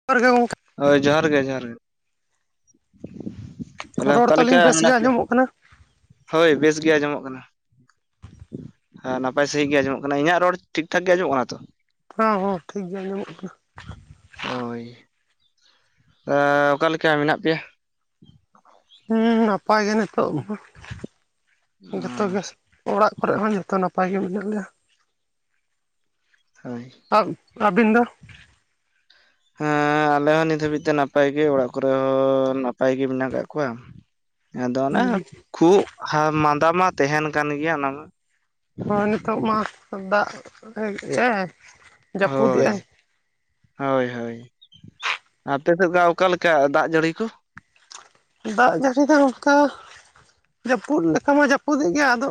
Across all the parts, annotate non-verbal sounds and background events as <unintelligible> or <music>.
<unintelligible> ᱦᱳᱭ ᱡᱚᱦᱟᱨ ᱜᱮ ᱡᱚᱦᱟᱨ ᱜᱮ ᱛᱟᱦᱞᱮ ᱨᱚᱲ ᱚᱠᱟᱞᱮᱠᱟ ᱛᱟᱹᱞᱤᱧ ᱵᱮᱥ ᱜᱮ ᱢᱮᱱᱟᱜ ᱯᱮᱭᱟ? ᱟᱸᱡᱚᱢᱚᱜ ᱠᱟᱱᱟ? ᱦᱳᱭ ᱵᱮᱥ ᱜᱮ ᱟᱸᱡᱚᱢᱚᱜ ᱠᱟᱱᱟ ᱦᱮᱸ ᱱᱟᱯᱟᱭ ᱥᱟᱺᱦᱤᱡ ᱜᱮ ᱟᱸᱡᱚᱢᱚᱜ ᱠᱟᱱᱟ, ᱤᱧᱟᱹᱜ ᱨᱚᱲ ᱴᱷᱤᱠ ᱴᱷᱟᱠ ᱜᱮ ᱟᱸᱡᱚᱢᱚᱜ ᱠᱟᱱᱟ ᱛᱚ ᱦᱚᱸ ᱦᱚᱸ ᱴᱷᱤᱠ ᱜᱮᱭᱟ ᱟᱡᱚᱢᱚᱜ ᱠᱟᱱᱟ ᱦᱳᱭ ᱮᱻ ᱚᱠᱟᱞᱮᱠᱟ ᱢᱮᱱᱟᱜ ᱯᱮᱭᱟ? ᱦᱩᱸ ᱱᱟᱯᱟᱭ ᱜᱮ ᱱᱤᱛᱚᱜ ᱢᱟ, ᱡᱚᱛᱚ ᱜᱮ ᱚᱲᱟᱜ ᱠᱚᱨᱮ ᱦᱚᱸ ᱡᱚᱛᱚ ᱱᱟᱯᱟᱭ ᱜᱮ ᱢᱮᱱᱟᱜ ᱞᱮᱭᱟ ᱦᱳᱭ ᱟᱨ ᱟᱵᱤᱱᱫᱚ ᱦᱮᱸᱻ ᱟᱞᱮᱦᱚ ᱱᱤᱛ ᱦᱟᱹᱵᱤᱡ ᱛᱮ ᱱᱟᱯᱟᱭ ᱜᱮ, ᱚᱲᱟᱜ ᱠᱚᱨᱮᱦᱚᱻ ᱱᱟᱯᱟᱭ ᱜᱮ ᱢᱮᱱᱟᱜ ᱠᱟᱜ ᱠᱚᱣᱟ ᱟᱫᱚ ᱚᱱᱮ, ᱠᱷᱩᱜ ᱢᱟᱸᱫᱟ ᱢᱟ ᱛᱟᱦᱮᱱ ᱠᱟᱱ ᱜᱮᱭᱟ ᱚᱱᱟ ᱢᱟ ᱦᱳᱭ ᱱᱤᱛᱚᱜ ᱢᱟ ᱫᱟᱜᱮᱫᱟᱭ, ᱦᱳᱭ ᱡᱟᱹᱯᱩᱫᱮᱜᱼᱟᱭ ᱦᱳᱭ, ᱦᱳᱭ ᱟᱯᱮ ᱥᱮᱫ ᱫᱚ ᱚᱠᱟᱞᱮᱠᱟ ᱫᱟᱜ ᱡᱟᱹᱲᱤ ᱠᱚ? ᱫᱟᱜ ᱡᱟᱹᱲᱤ ᱫᱚ ᱱᱚᱝᱠᱟ, ᱡᱟᱹᱯᱩᱫ ᱞᱮᱠᱟ ᱢᱟ ᱡᱟᱹᱯᱩᱫᱮᱜ ᱜᱮᱭᱟ ᱟᱫᱚ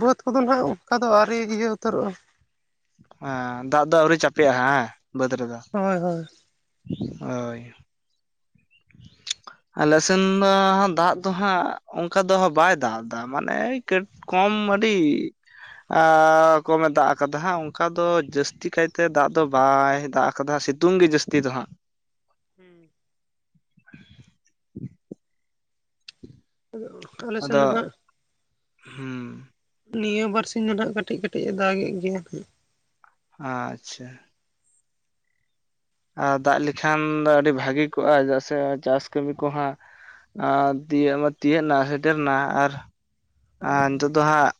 ᱵᱟᱹᱫᱽ ᱠᱚᱫᱚ ᱱᱟᱦᱟᱜ ᱚᱱᱠᱟᱫᱚ ᱟᱹᱣᱮᱤᱭᱟᱹ ᱩᱛᱟᱹᱨᱚᱜᱼᱟ ᱦᱮ ᱫᱟᱜ ᱫᱚ ᱟᱹᱣᱨᱤ ᱪᱟᱯᱮᱜᱼᱟ ᱦᱮᱸ ᱵᱟᱹᱫ ᱨᱮᱫᱚ ᱦᱳᱭ ᱦᱳᱭ ᱦᱳᱭ ᱟᱞᱥᱮᱱᱻ ᱫᱚᱻ ᱫᱟᱜ ᱫᱚ ᱦᱟᱸᱜ ᱚᱱᱠᱟ ᱫᱚᱟᱸᱜ ᱵᱟᱭ ᱫᱟᱜ ᱮᱫᱟ ᱢᱟᱱᱮ ᱠᱥᱹᱴᱤᱡ ᱠᱚᱢ, ᱟᱹᱰᱤ ᱟᱸᱻ ᱠᱚᱢᱮ ᱫᱟᱜ ᱟᱠᱟᱫᱟ ᱦᱟᱜ ᱚᱱᱠᱟ ᱫᱚ, ᱡᱟᱹᱥᱛᱤ ᱠᱟᱭᱛᱮ ᱫᱟᱜ ᱫᱚ ᱵᱟᱭᱻ ᱫᱟᱜ ᱟᱠᱟᱫᱟ ᱥᱤᱛᱩᱝ ᱜᱮ ᱡᱟᱹᱥᱛᱤ ᱫᱚ ᱦᱟᱸᱜ ᱦᱮᱸ ᱟᱫᱚ ᱟᱞᱮᱮᱥᱱ ᱫᱚ ᱱᱟᱦᱟᱜ ᱦᱮᱸ ᱱᱤᱭᱟᱹ ᱵᱟᱨᱥᱤᱧ ᱫᱚ ᱱᱟᱦᱟᱜ ᱠᱟᱹᱴᱤᱡ ᱠᱟᱹᱴᱤᱡ ᱮ ᱫᱟᱜ ᱮ ᱜᱮᱭᱟ ᱱᱟᱟᱜ ᱟᱪᱪᱷᱟ ᱟᱨ ᱫᱟᱜ ᱞᱮᱠᱷᱟᱱ, ᱟᱹᱰᱤ ᱵᱷᱟᱹᱜᱤ ᱠᱚᱜᱼᱟ ᱪᱮᱫᱟᱜ ᱥᱮ ᱪᱟᱥ ᱠᱟᱹᱢᱤ ᱠᱚᱦᱟᱜ ᱟᱨ ᱛᱤᱭᱟᱹᱜ ᱢᱟ ᱛᱤᱭᱟᱹᱜ ᱱᱟ ᱥᱮᱴᱮᱨ ᱮᱱᱟ ᱦᱳᱭ ᱟᱨ ᱱᱤᱛᱚᱜ ᱫᱚ ᱦᱟᱸᱜ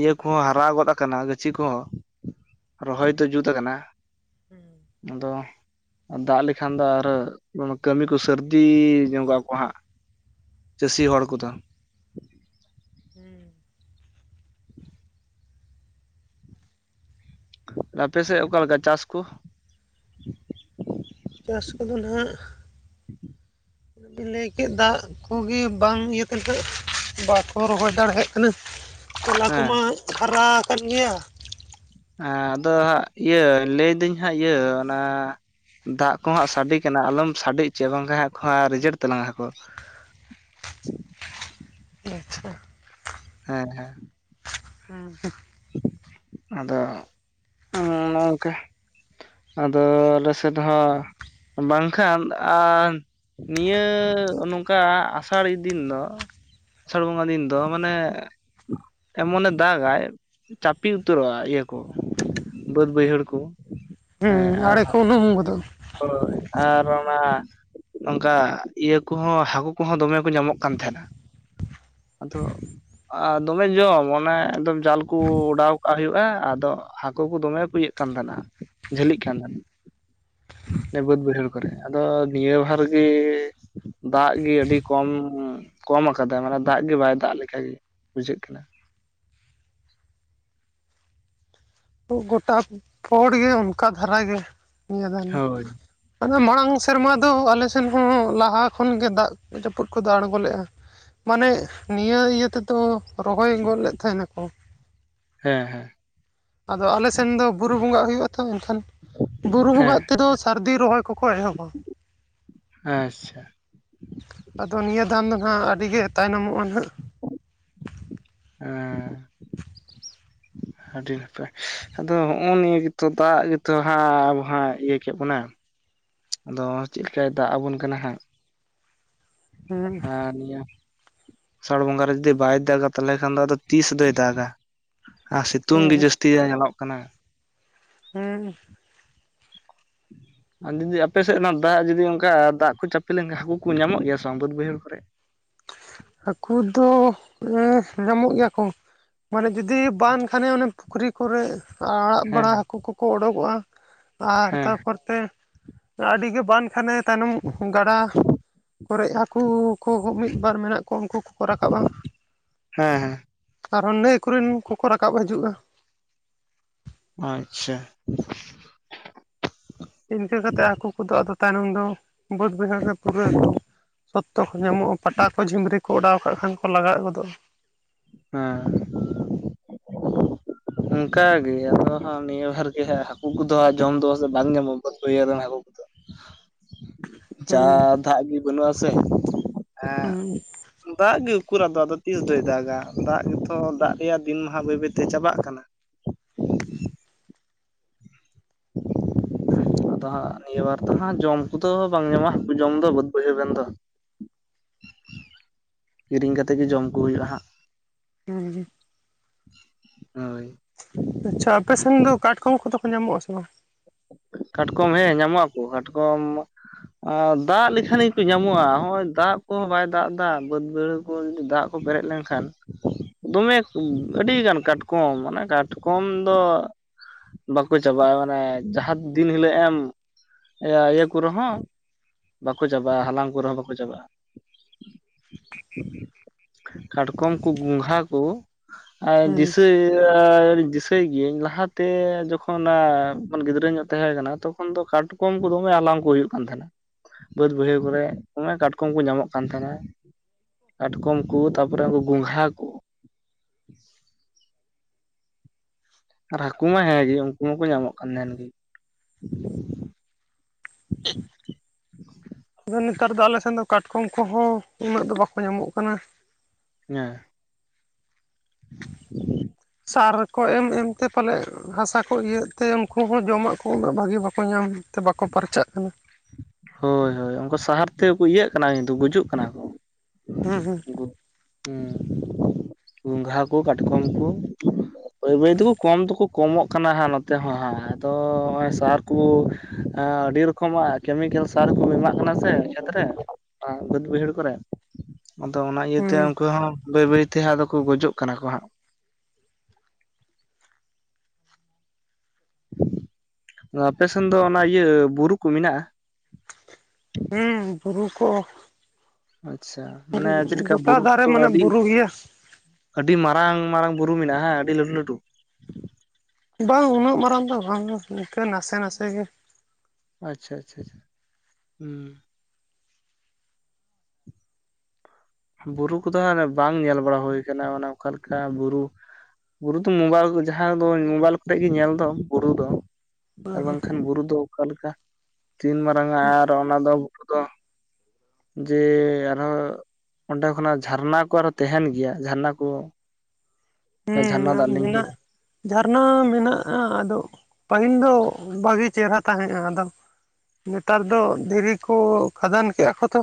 ᱤᱭᱟᱹ ᱠᱚᱦᱚᱸ ᱦᱟᱨᱟ ᱜᱚᱫ ᱟᱠᱟᱱᱟ ᱜᱟᱹᱪᱷᱤ ᱠᱚᱸᱦᱚᱸ ᱨᱚᱦᱚᱭ ᱫᱚ ᱡᱩᱛ ᱟᱠᱟᱱᱟ, ᱦᱩᱸ ᱟᱫᱚ ᱫᱟᱜ ᱞᱮᱠᱷᱟᱱ ᱫᱚ ᱟᱨᱚ, ᱠᱟᱹᱢᱤ ᱠᱚ ᱥᱟᱹᱨᱫᱤ ᱧᱚᱜᱚᱜ ᱟᱠᱚ ᱦᱟᱸᱜ ᱪᱟᱹᱥᱤ ᱦᱚᱲ ᱠᱚᱫᱚ ᱦᱮᱸ ᱟᱯᱮ ᱥᱮᱫ ᱚᱠᱟᱞᱮᱠᱟ ᱪᱟᱥ ᱠᱚ ᱪᱟᱥ ᱠᱚᱫᱚ ᱱᱟᱜ ᱴᱷᱤᱠ <inaudible> ᱵᱤᱱ ᱞᱟᱹᱭ ᱠᱮᱫ ᱫᱟᱜ ᱠᱚᱜᱮ ᱵᱟᱝ ᱤᱭᱟᱹᱛᱮᱱᱠᱷ ᱵᱟᱫᱽ ᱦᱚᱸ ᱨᱚᱦᱚᱭ ᱫᱟᱲᱮᱭᱟᱜ ᱠᱟᱱᱟ ᱛᱚᱞᱟ ᱦᱮᱸ ᱠᱚᱢᱟ ᱦᱟᱨᱟ ᱟᱠᱟᱱ ᱜᱮᱭᱟ <unintelligible> ᱦᱮᱸ ᱟᱫᱚ ᱦᱟᱸᱜ ᱤᱭᱟᱹ ᱞᱟᱹᱭᱫᱟᱹᱧ ᱦᱟᱸᱜ ᱤᱭᱟᱹ ᱚᱱᱟ ᱫᱟᱜ ᱠᱚ ᱦᱟᱸᱜ ᱥᱟᱰᱮ ᱠᱟᱱᱟ ᱟᱞᱚᱢ ᱥᱟᱰᱮ ᱦᱚᱪᱚᱭᱟ ᱵᱟᱝᱠᱷᱟᱱ ᱦᱟᱜ ᱠᱚ ᱨᱤᱡᱮᱠᱴ ᱛᱟᱞᱟᱝ-ᱟ ᱠᱚ᱾ ᱟᱪᱪᱷᱟ ᱦᱮᱸ ᱦᱮᱸ ᱦᱮᱸ ᱟᱫᱚ, ᱱᱚᱝᱚᱭᱱᱚᱝᱠᱟ ᱟᱫᱚ ᱟᱞᱮᱥᱮᱫ ᱦᱚᱸ, ᱵᱟᱝᱠᱷᱟᱱ ᱟᱨ ᱱᱤᱭᱟᱹᱻ ᱱᱚᱝᱠᱟ ᱟᱥᱟᱲᱤ ᱫᱤᱱ ᱫᱚ ᱟᱥᱟᱲ ᱵᱚᱸᱜᱟ ᱫᱤᱱ ᱫᱚ ᱢᱟᱱᱮ, ᱮᱢᱚᱱᱮ ᱫᱟᱜᱟᱭ ᱪᱟᱯᱮ ᱩᱛᱟᱹᱨᱚᱜᱼᱟ, ᱤᱭᱟᱹ ᱠᱚ ᱵᱟᱹᱫᱽ ᱵᱟᱹᱭᱦᱟᱹᱲ ᱠᱚ ᱦᱮᱸ ᱟᱨ ᱟᱲᱮ ᱠᱚ ᱩᱱᱩᱢ ᱜᱚᱫᱚ ᱦᱳᱭ ᱟᱨ ᱚᱱᱟ ᱱᱚᱝᱠᱟ ᱤᱭᱟᱹ ᱠᱚ ᱦᱚᱸ ᱦᱟᱹᱠᱩ ᱠᱚ ᱦᱚᱸ ᱫᱚᱢᱮ ᱠᱚ ᱧᱟᱢᱚᱜ ᱠᱟᱱ ᱛᱟᱦᱮᱸᱱᱟ᱾ ᱟᱫᱚ ᱫᱚᱢᱮ ᱡᱚᱢ ᱚᱱᱮ ᱮᱠᱫᱚᱢ ᱡᱟᱞ ᱠᱩ ᱚᱰᱟᱣ ᱠᱟᱜ ᱦᱩᱭᱩᱜᱼᱟ᱾ ᱟᱫᱚ ᱦᱟᱹᱠᱩ ᱠᱚ ᱫᱚᱢᱮ ᱠᱩ ᱤᱭᱟᱹᱜ ᱠᱟᱱ ᱛᱟᱦᱮᱸᱱᱟ᱾ ᱡᱷᱟᱹᱞᱤᱜ ᱠᱟᱱ ᱛᱟᱦᱮᱸᱱᱟ ᱵᱟᱹᱫ ᱵᱟᱹᱭᱦᱟᱹᱲ ᱠᱚᱨᱮ ᱟᱫᱚ ᱱᱤᱭᱟᱹ ᱵᱟᱨ ᱜᱮ ᱫᱟᱜ ᱜᱮ ᱟᱹᱰᱤ ᱠᱚᱢ ᱠᱚᱢ ᱟᱠᱟᱫᱟᱭ ᱢᱟᱱᱮ ᱫᱟᱜ ᱜᱮ ᱵᱟᱭ ᱫᱟᱜ ᱞᱮᱠᱟᱜ ᱜᱮ ᱵᱩᱡᱷᱟᱹᱜ ᱠᱟᱱᱟ᱾ ᱜᱚᱴᱟ ᱠᱚᱲ ᱜᱮ ᱚᱱᱠᱟ ᱫᱷᱟᱨᱟ ᱜᱮᱭᱟ ᱱᱤᱭᱟᱹ ᱫᱟᱱ ᱦᱳᱭ ᱫᱚ ᱟᱫᱚ ᱢᱟᱲᱟᱝ ᱥᱮᱨᱢᱟ ᱫᱚ ᱟᱞᱮ ᱥᱮᱱ ᱦᱚᱸ ᱞᱟᱦᱟ ᱠᱷᱚᱱ ᱜᱮ ᱫᱟᱜ ᱡᱟᱹᱯᱩᱫ ᱠᱚᱫᱚ ᱟᱲᱜᱚ ᱞᱮᱫᱼᱟ᱾ ᱢᱟᱱᱮ ᱱᱤᱭᱟᱹ ᱤᱭᱟᱹ ᱛᱮᱫᱚ ᱨᱚᱦᱚᱭ ᱜᱚᱫ ᱞᱮᱫ ᱛᱟᱦᱮᱱᱟᱠᱚ ᱦᱮᱸ ᱦᱮᱸ ᱟᱫᱚ ᱟᱞᱮ ᱥᱮᱱ ᱫᱚ ᱵᱩᱨᱩ ᱵᱚᱸᱜᱟᱜ ᱦᱩᱭᱩᱜᱼᱟ ᱛᱚ ᱮᱱᱠᱷᱟᱱ ᱵᱩᱨᱩ ᱦᱮᱸ ᱵᱚᱸᱜᱟᱜ ᱛᱮᱫᱚ ᱥᱟᱹᱨᱫᱤ ᱨᱚᱦᱚᱭ ᱠᱚᱠᱚ ᱮᱦᱚᱵᱟ ᱟᱪᱪᱷᱟ ᱟᱫᱚ ᱱᱤᱭᱟᱹ ᱫᱟᱱ ᱫᱚ ᱦᱟᱸᱜ ᱟᱹᱰᱤ ᱜᱮ ᱛᱟᱭᱱᱚᱢᱚᱜᱼᱟ ᱱᱟᱸᱜ ᱮᱸ ᱟᱹᱰᱤ ᱱᱟᱯᱟᱭ ᱟᱫᱚ ᱦᱚᱜᱼᱚᱭ ᱱᱤᱭᱟᱹ ᱜᱮᱛᱚ ᱫᱟᱜ ᱜᱮᱛᱚ ᱦᱟᱸᱜ ᱟᱵᱚ ᱦᱟᱸᱜ ᱤᱭᱟᱹ ᱠᱮᱫ ᱵᱚᱱᱟᱭ᱾ ᱟᱫᱚ ᱪᱮᱫ ᱞᱮᱠᱟᱭ ᱫᱟᱜ ᱟᱵᱚᱱ ᱠᱟᱱᱟ ᱦᱟᱸᱜ ᱦᱩᱸ ᱦᱮᱸ ᱱᱤᱭᱟᱹ ᱟᱥᱟᱲ ᱵᱚᱸᱜᱟ ᱨᱮ ᱡᱩᱫᱤ ᱵᱟᱭ ᱫᱟᱜᱟ ᱛᱟᱦᱚᱞᱮ ᱠᱷᱟᱱ ᱫᱚ ᱟᱫᱚ ᱛᱤᱥ ᱫᱚᱭ ᱫᱟᱜᱟ? ᱟᱨ ᱥᱤᱛᱩᱝ ᱜᱮ ᱦᱮᱸ ᱡᱟᱹᱥᱛᱤ ᱧᱮᱞᱚᱜ ᱠᱟᱱᱟ᱾ ᱦᱮᱸ ᱟᱨ ᱡᱩᱫᱤ ᱟᱯᱮ ᱥᱮᱫ ᱚᱱᱟ ᱫᱟᱜ ᱡᱩᱫᱤ ᱚᱱᱠᱟ ᱫᱟᱜ ᱠᱚ ᱪᱟᱯᱮ ᱞᱮᱱᱠᱷᱟᱱ ᱦᱟᱹᱠᱩ ᱠᱚ ᱧᱟᱢᱚᱜ ᱜᱮᱭᱟ ᱥᱮ ᱵᱟᱝ ᱵᱟᱹᱫ ᱵᱟᱹᱭᱦᱟᱹᱲ ᱠᱚᱨᱮ? ᱦᱟᱹᱠᱩ ᱫᱚ ᱧᱟᱢᱚᱜ ᱜᱮᱭᱟ ᱠᱚ ᱢᱟᱱᱮ ᱡᱩᱫᱤ ᱵᱟᱱ ᱠᱷᱟᱱᱮ ᱚᱱᱮ ᱯᱩᱠᱷᱨᱤ ᱠᱚᱨᱮ ᱟᱲᱟᱜ ᱦᱮᱸ ᱵᱟᱲᱟ ᱦᱟᱹᱠᱩ ᱠᱚᱠᱚ ᱚᱰᱳᱠᱚᱜᱼᱟ ᱟᱨ ᱦᱮᱸ ᱛᱟᱨᱯᱚᱨ ᱛᱮ ᱟᱹᱰᱤᱜᱮ ᱵᱟᱱ ᱠᱷᱟᱱᱮ ᱛᱟᱭᱱᱚᱢ ᱜᱟᱰᱟ ᱠᱚᱨᱮ ᱦᱟᱹᱠᱩ ᱠᱚ ᱢᱤᱫ ᱵᱟᱨ ᱢᱮᱱᱟᱜ ᱠᱚ ᱩᱱᱠᱩ ᱠᱚᱠᱚ ᱨᱟᱠᱟᱵᱟᱼᱟ, ᱦᱮᱸ ᱦᱮᱸ ᱟᱨᱦᱚᱸ ᱱᱟᱹᱭ ᱠᱚᱨᱮᱱ ᱠᱚᱠᱚ ᱨᱟᱠᱟᱵ ᱦᱤᱡᱩᱜᱼᱟ᱾ ᱟᱪᱪᱷᱟ ᱤᱱᱠᱟᱹ ᱠᱟᱛᱮᱫ ᱦᱟᱹᱠᱩ ᱠᱚᱫᱚ ᱟᱫᱚ ᱛᱟᱭᱱᱚᱢ ᱫᱚ ᱵᱟᱹᱫᱽ ᱵᱟᱹᱭᱦᱟᱹᱲ ᱨᱮ ᱯᱩᱨᱟᱹᱣ ᱟᱠᱟᱱᱟ᱾ ᱥᱚᱛᱛᱚ ᱠᱚ ᱧᱟᱢᱚᱜᱼᱟ ᱯᱟᱴᱟ ᱠᱚ ᱡᱷᱤᱢᱨᱤ ᱠᱚ ᱚᱰᱟᱣ ᱠᱟᱜ ᱠᱷᱟᱱ ᱠᱚ ᱞᱟᱜᱟᱣ ᱜᱚᱫᱚᱜᱼᱟ᱾ ᱦᱮᱸ ᱚᱱᱠᱟ ᱜᱮ ᱟᱫᱚ ᱦᱟᱸᱜ ᱱᱤᱭᱟᱹ ᱵᱟᱨ ᱜᱮ ᱦᱟᱜ ᱦᱟᱹᱠᱩ ᱠᱚᱫᱚ ᱡᱚᱢ ᱫᱚ ᱥᱮ ᱵᱟᱝ ᱧᱟᱢᱚᱜᱼᱟ ᱵᱟᱹᱭᱦᱟᱹᱲ ᱨᱮᱱ ᱦᱟᱹᱠᱩ ᱠᱚᱫᱚ ᱡᱟ ᱦᱩᱸ ᱫᱟᱜ ᱜᱮ ᱵᱟᱹᱱᱩᱜ ᱟᱥᱮ ᱦᱩᱸ ᱫᱟᱜ ᱜᱮ ᱩᱠᱩᱨ ᱟᱫᱚ ᱟᱫᱚ ᱛᱤᱥ ᱫᱚᱭ ᱫᱟᱜᱟ ᱫᱟᱜ ᱜᱮᱛᱚ ᱫᱟᱜ ᱨᱮᱭᱟᱜ ᱫᱤᱱ ᱢᱟ ᱦᱟᱜ ᱵᱟᱹᱭ ᱵᱟᱹᱭ ᱛᱮ ᱪᱟᱵᱟᱜ ᱠᱟᱱᱟ᱾ <inaudible> ᱟᱫᱚ ᱦᱟᱸᱜ ᱱᱤᱭᱟᱹ ᱵᱟᱨ ᱫᱚ ᱦᱟᱸᱜ ᱡᱚᱢ ᱠᱚ ᱫᱚ ᱵᱟᱝ ᱧᱟᱢᱚᱜ-ᱟ ᱦᱟᱹᱠᱩ ᱡᱚᱢ ᱫᱚ ᱵᱟᱹᱫᱽ ᱵᱟᱹᱭᱦᱟᱹᱲ ᱨᱮᱱ ᱫᱚ ᱠᱤᱨᱤᱧ ᱠᱟᱛᱮ ᱜᱮ ᱡᱚᱢ ᱠᱚ ᱦᱩᱭᱩᱜᱼᱟ ᱦᱟᱸᱜ᱾ ᱦᱩᱸ ᱩ ᱦᱳᱭ ᱟᱪᱪᱷᱟ ᱟᱯᱮᱥᱮᱱ ᱫᱚ ᱠᱟᱴᱠᱚᱢ ᱠᱚᱫᱚ ᱠᱚ ᱧᱟᱢᱚᱜᱼᱟᱥ ᱥᱮ ᱵᱟᱝ? ᱠᱟᱴᱠᱚᱢ ᱦᱮᱸ ᱧᱟᱢᱚᱜ ᱟᱠᱚ ᱠᱟᱴᱠᱚᱢ ᱟᱨ ᱫᱟᱜ ᱞᱮᱠᱷᱟᱱ ᱜᱮᱠᱚ ᱧᱟᱢᱚᱜᱼᱟ, ᱦᱚᱸᱜᱼᱚᱭ ᱫᱟᱜ ᱠᱚᱦᱚᱸ ᱵᱟᱭ ᱫᱟᱜ ᱮᱫᱟ ᱵᱟᱹᱫᱽ ᱵᱟᱹᱭᱦᱟᱹᱲ ᱠᱚ ᱡᱩᱫᱤ ᱫᱟᱜ ᱠᱚ ᱵᱮᱨᱮᱫ ᱞᱮᱱᱠᱷᱟᱱ ᱫᱚᱢᱮ ᱟᱹᱰᱤᱜᱟᱱ ᱠᱟᱴᱠᱚᱢ ᱚᱱᱟ ᱠᱟᱴᱠᱚᱢ ᱫᱚ ᱵᱟᱠᱚ ᱪᱟᱵᱟᱜᱼᱟ, ᱢᱟᱱᱮ ᱡᱟᱦᱟᱸ ᱫᱤᱱ ᱦᱤᱞᱳᱜ ᱮᱢ ᱤᱭᱟᱹ ᱠᱚ ᱨᱮᱦᱚᱸ ᱵᱟᱠᱚ ᱪᱟᱵᱟᱜᱼᱟ᱾ ᱦᱟᱞᱟᱝ ᱠᱚ ᱨᱮᱦᱚᱸ ᱵᱟᱠᱚ ᱪᱟᱵᱟᱜᱼᱟ᱾ ᱠᱟᱴᱠᱚᱢ ᱠᱚ ᱜᱩᱸᱜᱷᱟ ᱠᱚ ᱟᱭ ᱦᱩᱸ ᱫᱤᱥᱟᱹᱭ ᱜᱤᱭᱟᱹᱧ ᱫᱤᱥᱟᱹᱭ ᱜᱤᱭᱟᱹᱧ ᱞᱟᱦᱟᱛᱮ ᱡᱚᱠᱷᱚᱱ ᱡᱚᱠᱷᱚᱱ ᱜᱤᱫᱽᱨᱟᱹ ᱧᱚᱜ ᱛᱟᱦᱮᱸ ᱠᱟᱱᱟ ᱛᱚᱠᱷᱚᱱ ᱫᱚ ᱠᱟᱴᱠᱚᱢ ᱠᱚ ᱫᱚᱢᱮ ᱦᱟᱞᱟᱝ ᱠᱚ ᱦᱩᱭᱩᱜ ᱠᱟᱱ ᱛᱟᱦᱮᱱᱟ ᱵᱟᱹᱫᱽ ᱵᱟᱹᱭᱦᱟᱹᱲ ᱠᱚᱨᱮ ᱮ ᱫᱚᱢᱮ ᱠᱟᱴᱠᱚᱢ ᱠᱚ ᱧᱟᱢᱚᱜ ᱠᱟᱱ ᱛᱟᱦᱮᱱᱟ ᱠᱟᱴᱠᱚᱢ ᱠᱚ ᱛᱟᱯᱚᱨᱮ ᱩᱱᱠᱩ ᱜᱚᱝᱜᱷᱟ ᱠᱚ ᱟᱨ ᱦᱟᱹᱠᱩ ᱢᱟ ᱦᱮᱸ ᱜᱮ ᱩᱱᱠᱩ ᱦᱚᱸ ᱧᱟᱢᱚᱜ ᱠᱟᱱ ᱛᱟᱦᱮᱫ ᱜᱮ ᱟᱫᱚ ᱱᱮᱛᱟᱨ ᱫᱚ ᱟᱞᱮ ᱥᱮᱱ ᱫᱚ ᱠᱟᱴᱠᱚᱢ ᱠᱚᱦᱚᱸ ᱩᱱᱟᱹᱜ ᱫᱚ ᱵᱟᱠᱚ ᱧᱟᱢᱚᱜ ᱠᱟᱱᱟ ᱦᱮᱸ <inaudible> ᱥᱟᱨᱠᱚ ᱮᱢ ᱮᱢᱛᱮ ᱯᱟᱞᱮᱱ ᱦᱟᱥᱟ ᱠᱚ ᱤᱭᱟᱹᱜ ᱛᱮ ᱩᱱᱠᱩ ᱦᱚᱸ ᱡᱚᱢᱟᱜ ᱠᱚ ᱩᱱᱟᱹᱜ ᱵᱷᱟᱹᱜᱤ ᱵᱟᱠᱚ ᱧᱟᱢ ᱛᱮ ᱵᱟᱠᱚ ᱯᱟᱨᱪᱟᱜ ᱠᱟᱱᱟ ᱦᱳᱭ ᱦᱳᱭ ᱩᱱᱠᱩ ᱥᱟᱦᱟᱨ ᱛᱮᱠᱚ ᱤᱭᱟᱹᱜ ᱠᱟᱱᱟ ᱠᱤᱱᱛᱩ ᱜᱩᱡᱩᱜ ᱠᱟᱱᱟ ᱠᱚ ᱦᱮᱸ ᱦᱮᱸ ᱦᱚᱸ ᱜᱚᱸᱜᱷᱟ ᱠᱚ ᱠᱟᱴᱠᱚᱢ ᱠᱚ ᱵᱟᱹᱭ ᱵᱟᱹᱭ ᱛᱮᱠᱚ ᱠᱚᱢ ᱫᱚᱠᱚ ᱠᱚᱢᱚᱜ ᱠᱟᱱᱟ ᱦᱟᱸᱜ ᱱᱚᱛᱮ ᱦᱚᱸ ᱦᱟᱸᱜ ᱟᱫᱚ ᱥᱟᱨ ᱠᱚ ᱟᱹᱰᱤ ᱨᱚᱠᱚᱢᱟᱜ ᱠᱮᱢᱤᱠᱮᱞ ᱥᱟᱨ ᱠᱚ ᱮᱢᱟᱜ ᱠᱟᱱᱟ ᱥᱮ ᱠᱷᱮᱛ ᱨᱮ ᱟᱫᱚ ᱵᱟᱹᱛ ᱵᱟᱭᱦᱟᱹᱲ ᱠᱚᱨᱮ ᱟᱫᱚ ᱚᱱᱟ ᱛᱮ ᱦᱩᱸ ᱩᱱᱠᱩ ᱦᱚᱸ ᱵᱟᱹᱭ ᱵᱟᱹᱭᱛᱮ ᱠᱚ ᱟᱫᱚ ᱠᱚ ᱜᱚᱡᱚᱜ ᱠᱟᱱᱟ ᱠᱚ ᱦᱟᱸᱜ ᱟᱯᱮ ᱥᱮᱱ ᱫᱚ ᱚᱱᱟ ᱤᱭᱟᱹ ᱵᱩᱨᱩ ᱠᱚ ᱢᱮᱱᱟᱜᱼᱟ ᱦᱮᱸ ᱵᱩᱨᱩ ᱠᱚ ᱟᱪᱪᱷᱟ ᱢᱟᱱᱮ ᱪᱮᱫ ᱞᱮᱠᱟ ᱜᱚᱴᱟ ᱵᱩᱨᱩ ᱫᱷᱟᱨᱮ ᱠᱚᱫᱚ ᱢᱟᱱᱮ ᱟᱹᱰᱤ ᱵᱩᱨᱩ ᱜᱮᱭᱟ ᱟᱹᱰᱤ ᱢᱟᱨᱟᱝ ᱢᱟᱨᱟᱝ ᱵᱩᱨᱩ ᱢᱮᱱᱟᱜᱼᱟ ᱦᱮᱸ ᱟᱹᱰᱤ ᱞᱟᱹᱴᱩ ᱞᱟᱹᱴᱩ ᱵᱟᱝ ᱩᱱᱟᱹᱜ ᱢᱟᱨᱟᱝ ᱫᱚ ᱵᱟᱝ ᱤᱱᱠᱟᱹ ᱱᱟᱥᱮ ᱱᱟᱥᱮ ᱜᱮ ᱟᱪᱪᱷᱟ ᱟᱪᱪᱷᱟ ᱟᱪᱷᱟ ᱦᱩᱸ ᱵᱩᱨᱩ ᱠᱚᱫᱚ ᱦᱟᱜ ᱵᱟᱝ ᱧᱮᱞ ᱵᱟᱲᱟ ᱦᱩᱭ ᱠᱟᱱᱟ ᱚᱱᱮ ᱚᱠᱟ ᱞᱮᱠᱟ ᱵᱩᱨᱩ ᱵᱩᱨᱩ ᱫᱚ ᱢᱳᱵᱟᱭᱤᱞ ᱡᱟᱦᱟᱸ ᱫᱚ ᱢᱳᱵᱟᱭᱤᱞ ᱠᱚᱨᱮ ᱜᱮ ᱧᱮᱞ ᱫᱚ ᱵᱩᱨᱩ ᱫᱚ ᱟᱨ ᱵᱟᱝᱠᱷᱟᱱ ᱵᱩᱨᱩ ᱫᱚ ᱚᱠᱟᱞᱮᱠᱟ ᱛᱤᱱ ᱢᱟᱨᱟᱝ ᱟ ᱟᱨ ᱚᱱᱟ ᱫᱚ ᱵᱩᱨᱩ ᱫᱚ ᱡᱮ ᱟᱨᱦᱚᱸ ᱚᱸᱰᱮ ᱠᱷᱚᱱᱟᱜ ᱡᱷᱟᱨᱱᱟ ᱠᱚ ᱟᱨᱦᱚᱸ ᱛᱟᱦᱮᱱ ᱜᱮᱭᱟ ᱡᱷᱟᱨᱱᱟ ᱠᱚ ᱡᱷᱟᱨᱱᱟ ᱦᱮᱸ ᱫᱟᱜ ᱢᱮᱱᱟᱜᱼᱟ ᱞᱤᱸᱜᱤᱱᱟ ᱡᱷᱟᱨᱱᱟ ᱢᱮᱱᱟᱜᱼᱟ ᱟᱫᱚ ᱯᱟᱹᱦᱤᱞ ᱫᱚ ᱵᱷᱟ. ᱜᱤ ᱪᱮᱨᱦᱨᱟ ᱛᱟᱦᱮᱸᱜᱼᱟ ᱟᱫᱚ ᱱᱮᱛᱟᱨ ᱫᱚ ᱫᱷᱤᱨᱤ ᱠᱚ ᱠᱷᱟᱫᱟᱱ ᱠᱮᱫᱼᱟ ᱠᱚ ᱛᱚ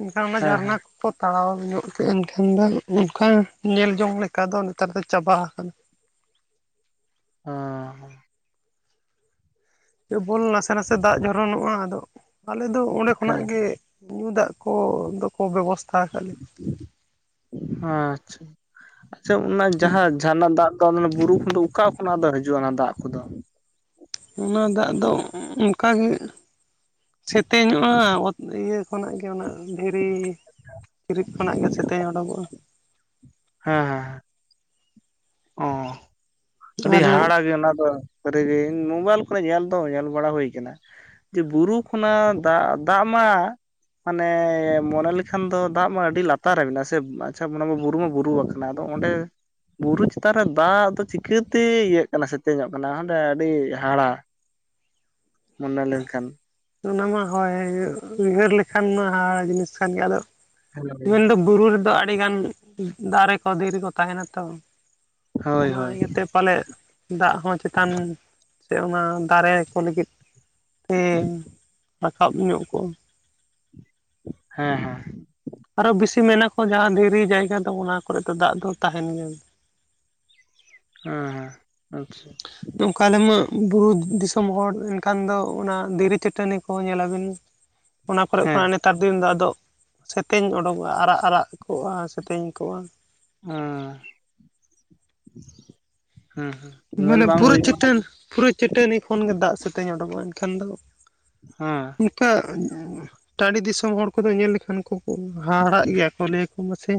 ᱮᱱᱠᱷᱟᱱ ᱚᱱᱟ ᱦᱮᱸ ᱡᱷᱟᱨᱱᱟ ᱦᱮᱸ ᱠᱚᱠᱚ ᱛᱟᱲᱟᱣ ᱧᱚᱜ ᱠᱮᱫ ᱮᱱᱠᱷᱟᱱ ᱫᱚ ᱚᱱᱠᱟ ᱧᱮᱞ ᱡᱚᱝ ᱞᱮ ᱚᱱᱠᱟ ᱫᱚ ᱱᱮᱛᱟᱨ ᱫᱚ ᱪᱟᱵᱟ ᱟᱠᱟᱱᱟ ᱦᱮᱸ ᱠᱮᱵᱚᱞ ᱱᱟᱥᱮ ᱱᱟᱥᱮ ᱫᱟᱜ ᱡᱷᱚᱨᱚᱱᱚᱜᱼᱟ ᱟᱫᱚ ᱟᱞᱮ ᱫᱚ ᱚᱸᱰᱮ ᱦᱮᱸ ᱠᱷᱚᱱᱟᱜ ᱜᱮ ᱧᱩ ᱫᱟᱜ ᱠᱚᱫᱚ ᱠᱚ ᱵᱮᱵᱚᱥᱛᱷᱟ ᱟᱠᱟᱫ ᱞᱮᱭᱟ ᱦᱟᱸ ᱟᱪᱪᱷᱟ ᱟᱪᱪᱷᱟ ᱚᱱᱟ ᱡᱟᱦᱟᱸ ᱡᱷᱟᱨᱱᱟᱜ ᱫᱟᱜ ᱫᱚ ᱛᱚ ᱵᱩᱨᱩ ᱠᱷᱚᱱ ᱫᱚ ᱚᱠᱟ ᱠᱷᱚᱱᱟᱜ ᱫᱚ ᱦᱤᱡᱩᱜᱼᱟ ᱚᱱᱟ ᱫᱟᱜ ᱠᱚᱫᱚ ᱚᱱᱟ ᱫᱟᱜ ᱫᱚ ᱚᱱᱠᱟ ᱜᱮ ᱥᱮᱛᱮᱧᱚᱜᱼᱟ ᱚᱛ ᱤᱭᱟᱹ ᱩᱱᱟᱜ ᱜᱮ ᱩᱱᱟᱜ ᱫᱷᱤᱨᱤ ᱪᱤᱨᱤᱡ ᱠᱷᱚᱱᱟᱜ ᱜᱮ ᱥᱮᱛᱮᱧ ᱩᱰᱩᱠᱚᱜᱼᱟ ᱦᱮᱸ ᱦᱮᱸ ᱚᱻ ᱟᱹᱰᱤ ᱟᱫᱚ ᱦᱟᱦᱟᱲᱟᱜ ᱜᱮ ᱚᱱᱟ ᱫᱚ ᱨᱮᱜᱮ ᱢᱳᱵᱟᱭᱤᱞ ᱠᱚᱨᱮ ᱧᱮᱞ ᱫᱚ ᱧᱮᱞ ᱵᱟᱲᱟ ᱦᱩᱭ ᱠᱟᱱᱟ ᱡᱮ ᱵᱩᱨᱩ ᱚᱱᱟ ᱫᱟᱜ ᱫᱟᱜ ᱢᱟ ᱢᱟᱱᱮ ᱢᱚᱱᱮ ᱞᱮᱠᱷᱟᱱ ᱫᱚ ᱫᱟᱜ ᱢᱟ ᱟᱹᱰᱤ ᱞᱟᱛᱟᱨ ᱨᱮ ᱢᱮᱱᱟᱜᱼᱟ ᱥᱮ ᱟᱪᱪᱷᱟ ᱚᱱᱟ ᱢᱟ ᱵᱩᱨᱩ ᱢᱟ ᱵᱩᱨᱩ ᱟᱠᱟᱱᱟ ᱟᱫᱚ ᱚᱸᱰᱮ ᱵᱩᱨᱩ ᱪᱮ ᱛᱟᱦᱞᱮ ᱫᱟᱜ ᱫᱚ ᱪᱤᱠᱟᱹᱛᱮ ᱤᱭᱟᱹᱜ ᱠᱟᱱᱟ ᱥᱮᱛᱮᱧᱚᱜ ᱠᱟᱱᱟ ᱦᱟᱸᱰᱮ ᱟᱹᱰᱤ ᱦᱟᱦᱟᱲᱟ ᱢᱚᱱᱮ ᱞᱮᱱᱠᱷᱟᱱ ᱚᱱᱟ ᱢᱟ ᱦᱳᱭ ᱩᱭᱦᱟᱹᱨ ᱞᱮᱠᱷᱟᱱ ᱢᱟ ᱦᱟᱦᱲᱟ ᱡᱤᱱᱤᱥ ᱠᱟᱱ ᱜᱮᱭᱟ ᱟᱫᱚ ᱦᱳᱭ ᱢᱮᱱᱫᱚ ᱵᱩᱨᱩ ᱨᱮᱫᱚ ᱟᱹᱰᱤ ᱜᱟᱱ ᱫᱟᱨᱮ ᱠᱚ ᱫᱷᱤᱨᱤ ᱠᱚ ᱛᱟᱦᱮᱱᱟ ᱛᱚ ᱦᱳᱭ ᱚᱱᱟ ᱦᱳᱭ ᱤᱭᱟᱹᱛᱮ ᱯᱟᱞᱮᱫ ᱫᱟᱜ ᱦᱚᱸ ᱪᱮᱛᱟᱱ ᱥᱮ ᱚᱱᱟ ᱫᱟᱨᱮ ᱠᱚ ᱞᱟᱹᱜᱤᱫ ᱛᱮ ᱨᱟᱠᱟᱵ ᱧᱚᱜ ᱠᱚᱜᱼᱟ ᱦᱮᱸ ᱦᱮᱸ ᱟᱨᱚ ᱵᱤᱥᱤ ᱢᱮᱱᱟ ᱠᱚ ᱡᱟᱦᱟᱸ ᱫᱷᱤᱨᱤ ᱡᱟᱭᱜᱟ ᱫᱚ ᱚᱱᱟ ᱠᱚᱨᱮ ᱫᱚ ᱫᱟᱜ ᱫᱚ ᱛᱟᱦᱮᱱ ᱜᱮᱭᱟ᱾ ᱦᱮᱸ ᱦᱮᱸ ᱟᱪᱷᱟ ᱱᱚᱝᱠᱟ ᱟᱞᱮ ᱢᱟ ᱵᱩᱨᱩ ᱫᱤᱥᱚᱢ ᱦᱚᱲ ᱮᱱᱠᱷᱟᱱ ᱫᱚ ᱚᱱᱟ ᱫᱷᱤᱨᱤ ᱪᱟᱹᱴᱟᱹᱱᱤ ᱠᱚᱦᱚᱸ ᱧᱮᱞᱟᱵᱤᱱ <inaudible> ᱚᱱᱟ ᱠᱚᱨᱮ ᱦᱮᱸ ᱠᱷᱚᱱᱟᱜ ᱱᱮᱛᱟᱨ ᱫᱤᱱ ᱫᱚ ᱟᱫᱚ ᱥᱮᱛᱮᱧ ᱚᱰᱚᱠᱚᱜᱼᱟ ᱟᱨᱟᱜ ᱟᱨᱟᱜ ᱠᱚᱜᱼᱟ ᱥᱮᱛᱮᱧ ᱠᱚᱜᱼᱟ᱾ ᱦᱩᱸ ᱦᱩᱸ ᱧᱮᱞ ᱵᱟᱝ ᱦᱩᱭ ᱠᱟᱱᱟ ᱯᱩᱨᱩᱡ ᱪᱟᱹᱴᱟᱹᱱᱤ ᱠᱷᱚᱱ ᱜᱮ ᱫᱟᱜ ᱥᱟᱛᱮᱧ ᱚᱰᱚᱠᱚᱜᱼᱟ ᱮᱱᱠᱷᱟᱱ ᱫᱚ ᱦᱮᱸ ᱱᱚᱠᱟ ᱴᱟᱺᱰᱤ ᱫᱤᱥᱚᱢ ᱦᱚᱲ ᱠᱚᱫᱚ ᱧᱮᱞ ᱞᱮᱠᱷᱟᱱ ᱠᱚ ᱦᱟᱦᱟᱲᱟᱜ ᱜᱮᱭᱟ ᱠᱚ ᱞᱟᱹ ᱢᱟᱥᱮ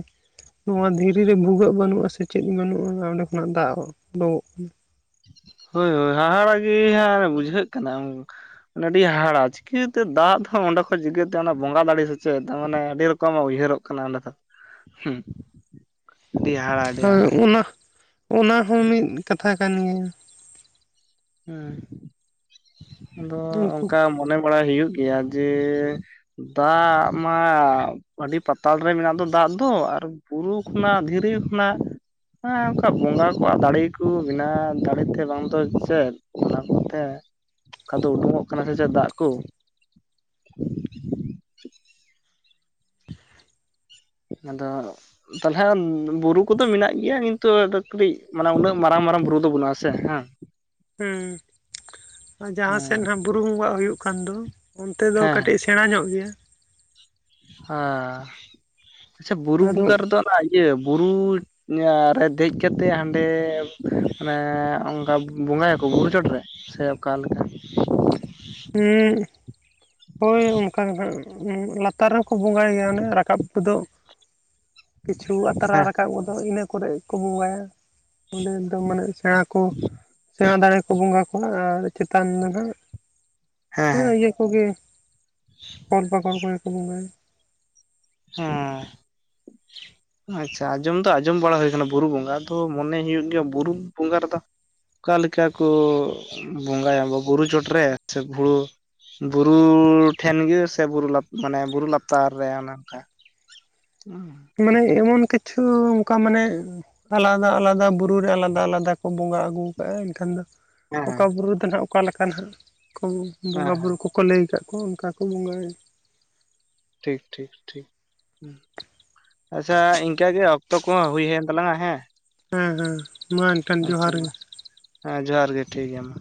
ᱱᱚᱣᱟ ᱫᱷᱤᱨᱤ ᱨᱮ ᱵᱷᱩᱜᱟᱹᱜ ᱵᱟᱹᱱᱩᱜᱼᱟ ᱥᱮ ᱪᱮᱫ ᱵᱟᱹᱱᱩᱜᱼᱟ ᱚᱸᱰᱮ ᱠᱷᱚᱱᱟᱜ ᱫᱟᱜ ᱳᱰᱳᱝ ᱦᱮᱸ ᱦᱳᱭ ᱦᱳᱭ ᱦᱟᱦᱟᱲᱟᱜ ᱜᱮ ᱦᱟᱸ ᱵᱩᱡᱷᱟᱹᱜ ᱠᱟᱱᱟ ᱢᱟᱱᱮ ᱟᱹᱰᱤ ᱦᱟᱦᱟᱲᱟ ᱪᱤᱠᱟᱹᱛᱮ ᱫᱟᱜ ᱦᱚᱸ ᱚᱸᱰᱮ ᱠᱷᱚᱡ ᱪᱤᱠᱟᱹᱛᱮ ᱚᱱᱟ ᱵᱚᱸᱜᱟ ᱫᱟᱲᱮ ᱥᱮ ᱪᱮᱫ ᱢᱟᱱᱮ ᱟᱹᱰᱤ ᱨᱚᱠᱚᱢᱟᱜ ᱩᱭᱦᱟᱹᱨᱚᱜ ᱠᱟᱱᱟ ᱠᱟᱱᱟ ᱚᱸᱰᱮ ᱫᱚ ᱦᱩᱸ ᱟᱹᱰᱤ ᱦᱟᱦᱟᱲᱟᱜ ᱦᱳᱭ ᱚᱱᱟ ᱚᱱᱟ ᱦᱚᱸ ᱢᱤᱫ ᱠᱟᱛᱷᱟ ᱠᱟᱱ ᱜᱮᱭᱟ ᱦᱮᱸ ᱟᱫᱚ ᱩᱱᱠᱩ ᱚᱱᱠᱟ ᱢᱚᱱᱮ ᱵᱟᱲᱟᱭ ᱦᱩᱭᱩᱜ ᱜᱮᱭᱟ ᱡᱮ ᱫᱟᱜ ᱢᱟ ᱟᱹᱰᱤ ᱯᱟᱛᱟᱞ ᱨᱮ ᱢᱮᱱᱟᱜ ᱫᱚ ᱫᱟᱜ ᱫᱚ ᱟᱨ ᱵᱩᱨᱩ ᱠᱷᱚᱱᱟᱜ ᱫᱷᱤᱨᱤ ᱠᱷᱚᱱᱟᱜ ᱦᱮᱸ ᱚᱱᱠᱟ ᱵᱚᱸᱜᱟ ᱠᱚᱣᱟᱜ ᱫᱟᱲᱮ ᱠᱚ ᱵᱮᱱᱟᱣ ᱫᱟᱲᱮ ᱛᱮ ᱵᱟᱝ ᱫᱚ ᱪᱮᱫ ᱚᱱᱟ ᱠᱚᱛᱮ ᱚᱱᱠᱟ ᱫᱚ ᱩᱰᱩᱠᱚᱜ ᱠᱟᱱᱟ ᱥᱮ ᱪᱮ ᱫᱟᱜ ᱠᱚ ᱟᱫᱚ ᱛᱟᱞᱚᱞᱮ ᱵᱩᱨᱩ ᱠᱚᱫᱚ ᱢᱮᱱᱟᱜ ᱜᱮᱭᱟ ᱠᱤᱱᱛᱩ ᱠᱟᱹᱴᱤᱡ ᱢᱟᱱᱮ ᱩᱱᱟᱹᱜ ᱢᱟᱨᱟᱝ ᱢᱟᱨᱟᱝ ᱵᱩᱨᱩ ᱫᱚ ᱵᱟᱹᱱᱩᱜ ᱟᱥᱮ ᱦᱮᱸ <inaudible> ᱦᱮᱸ ᱟᱨ ᱡᱟᱦᱟᱸ ᱥᱮᱫ ᱦᱟᱜ ᱵᱩᱨᱩ ᱵᱚᱸᱜᱟᱜ ᱦᱩᱭᱩᱜ ᱠᱟᱱ ᱫᱚ ᱚᱱᱛᱮ ᱫᱚ ᱠᱟᱹᱴᱤᱡ ᱥᱮ ᱥᱮᱬᱟ ᱧᱚᱜ ᱜᱮᱭᱟ ᱦᱸ ᱟᱪᱪᱷᱟ ᱵᱩᱨᱩ ᱟᱫᱚ ᱵᱚᱸᱜᱟ ᱨᱮᱫᱚ ᱚᱱᱟ ᱤᱭᱟᱹ ᱵᱩᱨᱩ ᱨᱮ ᱫᱮᱡ ᱠᱟᱛᱮᱫ ᱦᱟᱸᱰᱮ ᱟᱱᱮ ᱚᱱᱠᱟ ᱵᱚᱸᱜᱟᱭᱟ ᱠᱚ ᱵᱩᱨᱩ ᱪᱚᱴ ᱨᱮ ᱥᱮ ᱚᱠᱟ ᱞᱮᱠᱟ ᱦᱳᱭ ᱚᱱᱠᱟᱜ ᱞᱟᱛᱟ ᱞᱟᱛᱟᱨ ᱨᱮᱠᱚ ᱵᱚᱸᱜᱟᱭ ᱜᱮᱭᱟ ᱚᱱᱮ ᱨᱟᱠᱟᱵ ᱜᱚᱫᱚᱜ ᱠᱤᱪᱷᱩ ᱟᱛᱨᱟ ᱦᱮᱸ ᱨᱟᱠᱟᱵ ᱜᱚᱫᱚᱜ ᱤᱱᱟᱹ ᱠᱚᱨᱮ ᱠᱚ ᱵᱚᱸᱜᱟᱭᱟ ᱚᱸᱰᱮ ᱫᱚ ᱢᱟᱱᱮ ᱥᱮᱬᱟ ᱠᱚ ᱥᱮᱬᱟ ᱫᱟᱲᱮ ᱠᱚ ᱵᱚᱸᱜᱟ ᱠᱚ ᱟᱨ ᱪᱮᱛᱟᱱ ᱫᱚ ᱱᱟᱦᱟᱜ ᱦᱮᱸ ᱤᱭᱟᱹ ᱠᱚᱜᱮ ᱠᱚᱲ ᱯᱟᱠᱚᱲ ᱠᱚᱜᱮ ᱠᱚ ᱵᱚᱸᱜᱟᱭᱟ ᱦᱮᱸ ᱟᱪᱪᱷᱟ ᱟᱸᱡᱚᱢ ᱫᱚ ᱟᱸᱡᱚᱢ ᱵᱟᱲᱟ ᱦᱩᱭ ᱠᱟᱱᱟ ᱵᱩᱨᱩ ᱵᱚᱸᱜᱟ ᱟᱫᱚ ᱢᱚᱱᱮ ᱦᱩᱭᱩᱜ ᱜᱮᱭᱟ ᱵᱩᱨᱩ ᱵᱚᱸᱜᱟ ᱨᱮᱫᱚ ᱚᱠᱟ ᱞᱮᱠᱟ ᱠᱚ ᱵᱚᱸᱜᱟᱭᱟ ᱵᱚ ᱵᱩᱨᱩ ᱪᱚᱴ ᱨᱮ ᱥᱮ ᱦᱩᱲᱩ ᱵᱩᱨᱩ ᱴᱷᱮᱱ ᱜᱮ ᱥᱮ ᱵᱩᱨᱩ ᱢᱟᱱᱮ ᱵᱩᱨᱩ ᱞᱟᱛᱟᱨ ᱨᱮ ᱚᱱᱮ ᱚᱱᱠᱟ <inaudible> ᱢᱟᱱᱮ ᱮᱢᱚᱱ ᱠᱤᱪᱷᱩ ᱚᱱᱠᱟ ᱢᱟᱱᱮ ᱟᱞᱟᱫᱟ ᱟᱞᱟᱫᱟ ᱵᱩᱨᱩ ᱨᱮ ᱟᱞᱟᱫᱟ ᱟᱞᱟᱫᱟ ᱠᱚ ᱵᱚᱸᱜᱟ ᱟᱹᱜᱩ ᱟᱠᱟᱜᱼᱟ ᱮᱱᱠᱷᱟᱱ ᱫᱚ ᱦᱮᱸ ᱚᱠᱟ ᱦᱮᱸ ᱵᱩᱨᱩ ᱫᱚ ᱦᱟᱸᱜ ᱚᱠᱟ ᱞᱮᱠᱟ ᱦᱟᱸᱜ ᱠᱚ ᱦᱮᱸ ᱵᱚᱸᱜᱟᱼᱵᱩᱨᱩ ᱠᱚ ᱠᱚ ᱞᱟᱹᱭ ᱟᱠᱟᱫ ᱠᱚᱣᱟ ᱚᱱᱠᱟ ᱠᱚ ᱵᱚᱸᱜᱟᱭᱟ ᱴᱷᱤᱠ ᱴᱷᱤᱠ ᱴᱷᱤᱠ ᱟᱪᱪᱷᱟ ᱤᱱᱠᱟᱹ ᱜᱮ ᱚᱠᱛᱚ ᱠᱚᱦᱚᱸ ᱦᱩᱭ ᱦᱮᱭᱮᱱ ᱛᱟᱞᱟᱝᱼᱟ ᱦᱮᱸ ᱦᱮᱸ ᱦᱮᱸ ᱢᱟ ᱮᱱᱠᱷᱟᱱ ᱟᱪᱪᱷᱟ ᱡᱚᱦᱟᱨ ᱢᱟ ᱜᱮ ᱦᱮᱸ ᱡᱚᱦᱟᱨ ᱜᱮ ᱴᱷᱤᱠ ᱜᱮᱭᱟ ᱢᱟ